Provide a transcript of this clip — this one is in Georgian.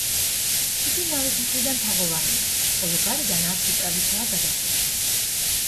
იგი ნავის მხრიდან თაღოვანია, ხოლო გარედან არქიტრავითაა გადახურული.